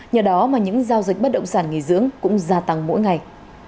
nhờ đó mà những giao dịch bất động sản nghỉ dưỡng cũng gia tăng mỗi ngày